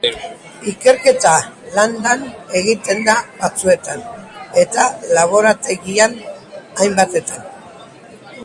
Ikerketa landan egiten da batzuetan, eta laborategian, hainbatetan.